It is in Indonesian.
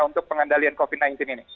untuk pengendalian covid sembilan belas ini